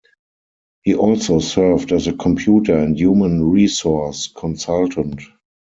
He also served as a computer and human resource consultant.